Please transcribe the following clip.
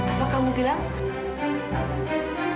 apa kamu gelap